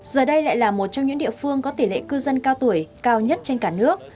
giờ đây lại là một trong những địa phương có tỷ lệ cư dân cao tuổi cao nhất trên cả nước